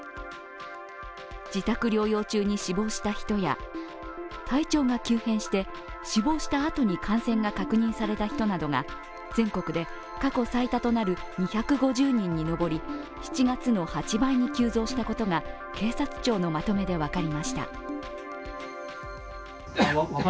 自宅療養中に死亡した人や体調が急変して死亡したあとに感染が確認された人などが全国で過去最多となる２５０人に上り７月の８倍に急増したことが、警察庁のまとめで分かりました。